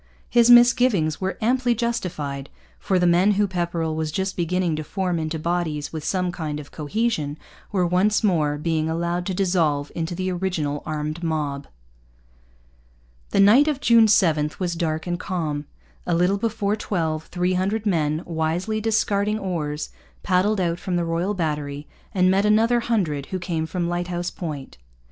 His misgivings were amply justified; for the men whom Pepperrell was just beginning to form into bodies with some kind of cohesion were once more being allowed to dissolve into the original armed mob. The night of June 7 was dark and calm. A little before twelve three hundred men, wisely discarding oars, paddled out from the Royal Battery and met another hundred who came from Lighthouse Point.